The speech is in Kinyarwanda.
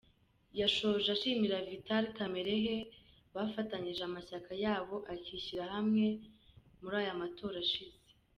Yashoje ashimira Vital Kamerhe bafatanije amashyaka yabo akishyira hamwe muri aya matora ashize.